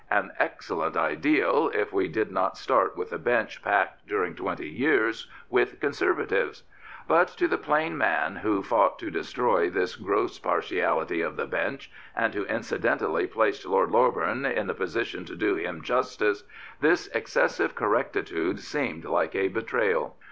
An excellent ideal, if we did not start with a bench packed during twenty years with Conservatives, But to the plain man who fought to destroy this gross partiality of the bench, and who incidentally placed Lord Loreburn in the position to do him justice, this excessive correctitude seemed like a betrayal.